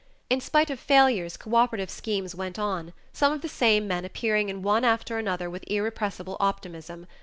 In spite of failures, cooperative schemes went on, some of the same men appearing in one after another with irrepressible optimism.